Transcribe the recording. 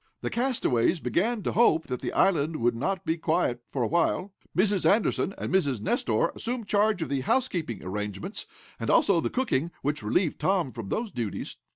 The castaways began to hope that the island would not be quiet for a while. Mrs. Anderson and Mrs. Nestor assumed charge of the "housekeeping" arrangements, and also the cooking, which relieved Tom from those duties.